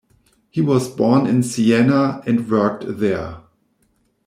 He was born in Siena, and worked there.